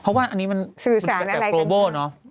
เพราะว่าอันนี้มันสื่อสารอะไรกันตรงโปรโบล์เนอะ